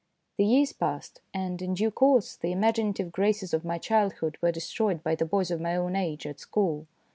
The years passed, and in due course the imaginative graces of my childhood were destroyed by the boys of my own age at school.